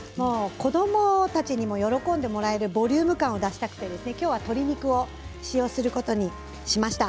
子どもたちに喜んでもらえるボリューム感を出したくて鶏肉を使用することにしました。